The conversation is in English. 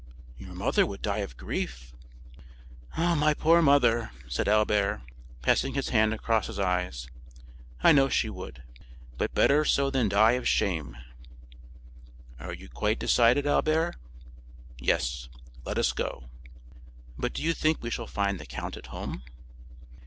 "Your mother would die of grief." "My poor mother!" said Albert, passing his hand across his eyes, "I know she would; but better so than die of shame." "Are you quite decided, Albert?" "Yes; let us go." "But do you think we shall find the count at home?"